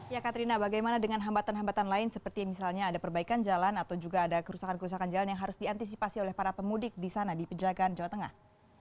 ya katrina bagaimana dengan hambatan hambatan lain seperti misalnya ada perbaikan jalan atau juga ada kerusakan kerusakan jalan yang harus diantisipasi oleh para pemudik di sana di pejagaan jawa tengah